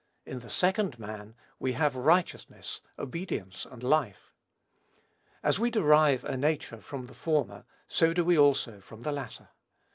In the Second man, we have righteousness, obedience, and life. As we derive a nature from the former, so do we also from the latter.